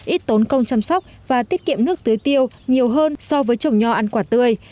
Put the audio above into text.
ít tốn công chăm sóc và tiết kiệm nước tưới tiêu nhiều hơn so với trồng nho ăn quả tươi